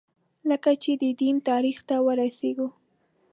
کله چې د دین تاریخ ته وررسېږو.